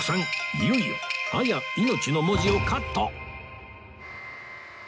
いよいよ「亜矢命」の文字をカット